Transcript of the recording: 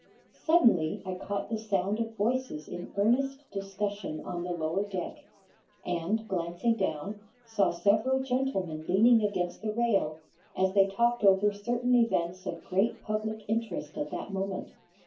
Suddenly I caught the sound of voices in earnest discussion on the lower deck, and, glancing down, saw several gentlemen leaning against the rail as they talked over certain events of great public interest at that moment.